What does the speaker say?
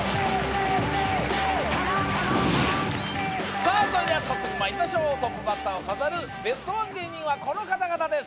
さあそれでは早速まいりましょうトップバッターを飾るベストワン芸人はこの方々です